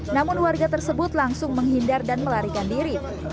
namun warga tersebut langsung menghindar dan melarikan diri